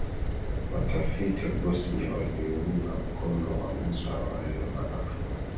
watafiti wa bosnia waliuunga mkono uamuzi wa awali wa mahakama